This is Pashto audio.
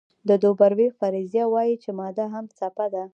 د دوبروی فرضیه وایي چې ماده هم څپه ده.